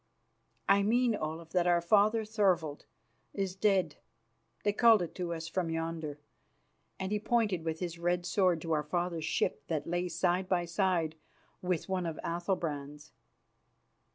"I mean, Olaf, that our father, Thorvald, is dead. They called it to us from yonder." And he pointed with his red sword to our father's ship, that lay side by side with one of Athalbrand's.